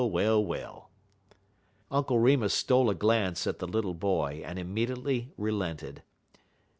well!" Uncle Remus stole a glance at the little boy, and immediately relented.